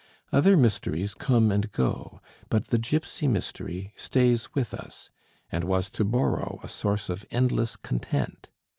Other mysteries come and go, but the gipsy mystery stays with us, and was to Borrow a source of endless content.